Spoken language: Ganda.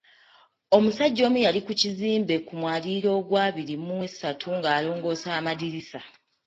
Omusajja omu yali ku kizimbe ku mwaliiro ogwa abiri mu esatu ng’alongoosa madirisa.